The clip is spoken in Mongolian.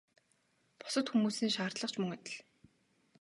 Бусад хүмүүсийн шаардлага ч мөн адил.